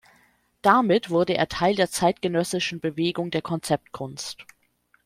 Damit wurde er Teil der zeitgenössischen Bewegung der Konzeptkunst.